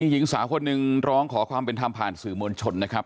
หญิงสาวคนหนึ่งร้องขอความเป็นธรรมผ่านสื่อมวลชนนะครับ